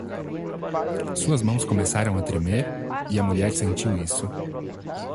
Suas mãos começaram a tremer? e a mulher sentiu isso.